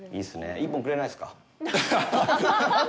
１本くれないですか？